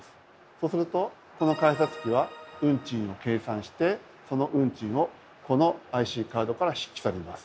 そうするとこの改札機は運賃を計算してその運賃をこのＩＣカードから引き去ります。